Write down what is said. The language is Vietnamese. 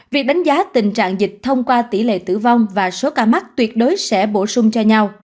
việc đánh giá tình trạng dịch thông qua tỷ lệ tử vong và số ca mắc tuyệt đối sẽ bổ sung cho nhau